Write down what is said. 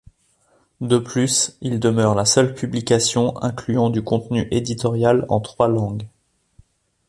De plus, il demeure la seule publication incluant du contenu éditorial en trois langues.